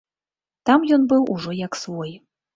Там ён быў ужо як свой.